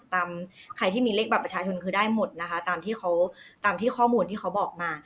ใครที่มีเลขบัตรประชาชนคือได้หมดนะคะตามที่เขาตามที่ข้อมูลที่เขาบอกมา